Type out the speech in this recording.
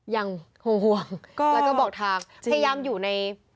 ยังคงห่วงแล้วก็บอกทางพยายามอยู่ใน